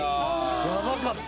やばかった。